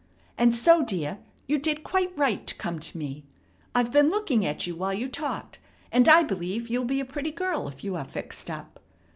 And so, dear, you did quite right to come to me. I've been looking at you while you talked, and I believe you'll be a pretty girl if you are fixed up.